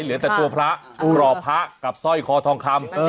เหลือแต่ตัวพระรอพระกับสร้อยคอทองคำ